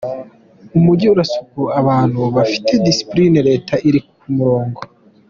Umujyi urasukuye, abantu bafite disipulini, Leta iri ku murongo.